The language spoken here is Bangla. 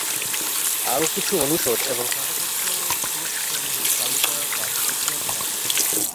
আরো কিছু অনুষদ এবং স্নাতকোত্তর কোর্স সমূহ চালু করার কাজ প্রক্রিয়াধীন আছে।